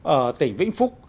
ở tỉnh vĩnh phúc